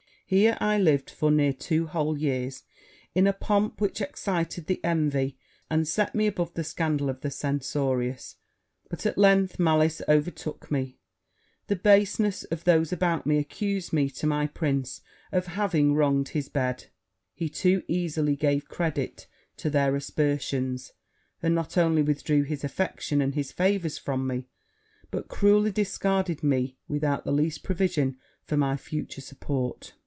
'Here I lived, for near two whole years, in a pomp which excited the envy, and set me above the scandal, of the censorious: but, at length, malice overtook me; the baseness of those about me accused me to my prince of having wronged his bed; he too easily gave credit to their aspersions; and not only withdrew his affection and his favours from me, but cruelly discarded me without the least provision for my future support.